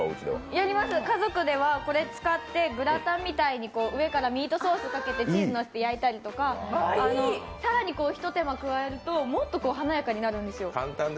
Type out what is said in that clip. やります、家族ではこれ使って、グラタンみたいに上からミートソースかけてチーズのせて焼いたりとか、更にひと手間加えるともっと華やかになるんですよ。